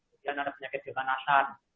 kemudian anak penyakit diutanasan